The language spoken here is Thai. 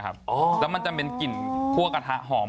แล้วมันจะเป็นกลิ่นคั่วกระทะหอม